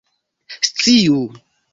sciu